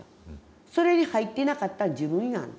それに入っていなかったん自分やん。